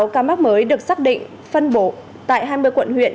một trăm bốn mươi sáu ca mắc mới được xác định phân bổ tại hai mươi quận huyện